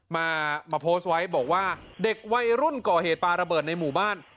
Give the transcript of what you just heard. มามาโพสต์ไว้บอกว่าเด็กวัยรุ่นก่อเหตุปลาระเบิดในหมู่บ้าน